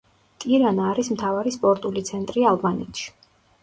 ტირანა არის მთავარი სპორტული ცენტრი ალბანეთში.